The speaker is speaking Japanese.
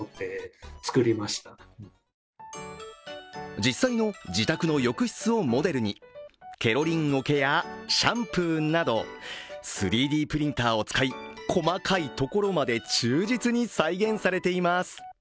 実際の自宅の浴室をモデルにケロリン桶やシャンプーなど３Ｄプリンターを使い、細かいところまで忠実に再現されています。